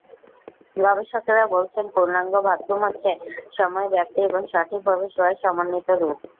গবেষকেরা বলছেন, পূর্ণাঙ্গ ভাতঘুম হচ্ছে সময়, ব্যাপ্তি এবং সঠিকভাবে শোয়ার সমন্বিত রূপ।